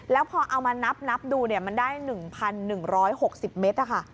แล้วพอเอามานับดูมันได้๑๑๖๐เมตรค่ะ